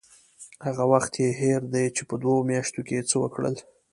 هغه وخت یې هېر دی چې په دوو میاشتو کې یې څه وکړل.